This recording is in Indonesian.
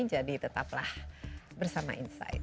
jadi tetaplah bersama insight